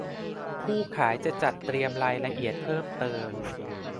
ผู้ขายจะจัดเตรียมรายละเอียดเพิ่มเติม